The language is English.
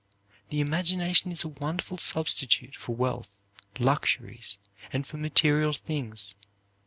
The imagination is a wonderful substitute for wealth, luxuries, and for material things.